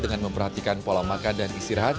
dengan memperhatikan pola makan dan istirahat